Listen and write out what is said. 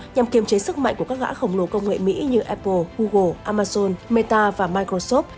nhằm kiềm chế sức mạnh của các ngã khổng lồ công nghệ mỹ như apple google amazon meta và microsoft